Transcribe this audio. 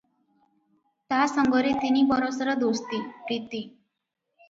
ତା’ ସଙ୍ଗରେ ତିନି ବରଷର ଦୋସ୍ତି, ପ୍ରୀତି ।